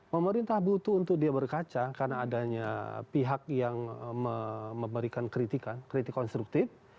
pemerintah butuh untuk dia berkaca karena adanya pihak yang memberikan kritikan kritik konstruktif